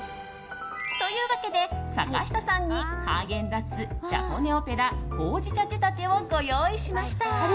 というわけで坂下さんにハーゲンダッツジャポネオペラほうじ茶仕立てをご用意しました。